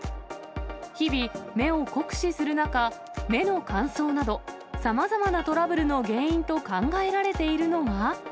日々、目を酷使する中、目の乾燥など、さまざまなトラブルの原因と考えられているのが。